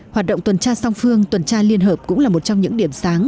hoạt động tuần tra song phương tuần tra liên hợp cũng là một trong những điểm sáng